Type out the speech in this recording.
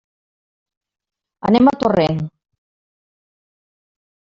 Anem a Torrent.